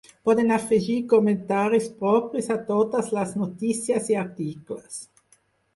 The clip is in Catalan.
Poden afegir comentaris propis a totes les notícies i articles.